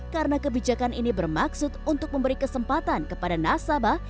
karena kebijakan ini bermaksud untuk memberi kesempatan kepada nasabah